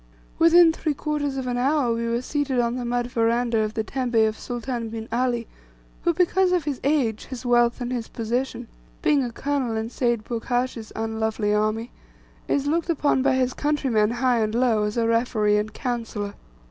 Within three quarters of an hour we were seated on the mud veranda of the tembe of Sultan bin Ali, who, because of his age, his wealth, and position being a colonel in Seyd Burghash's unlovely army is looked upon by his countrymen, high and low, as referee and counsellor.